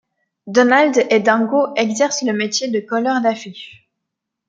Donald et Dingo exercent le métier de colleur d'affiches.